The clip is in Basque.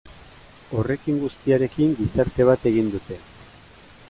Horrekin guztiarekin gizarte bat egin dute.